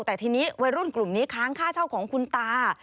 แต่ทีนี้วัยรุ่นกลุ่มนี้ค้างค่าเช่าของคุณตา